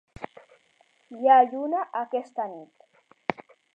Hi ha lluna aquesta nit.